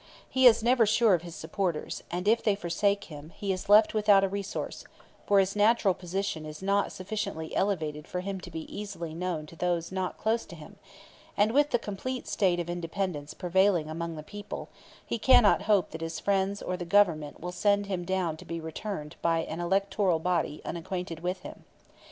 He is never sure of his supporters, and, if they forsake him, he is left without a resource; for his natural position is not sufficiently elevated for him to be easily known to those not close to him; and, with the complete state of independence prevailing among the people, he cannot hope that his friends or the government will send him down to be returned by an electoral body unacquainted with him.